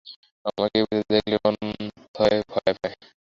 আমাকে এ বাড়িতে দেখলে মন্মথ ভয় পায়।